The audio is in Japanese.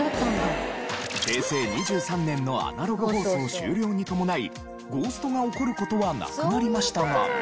平成２３年のアナログ放送終了に伴いゴーストが起こる事はなくなりましたが。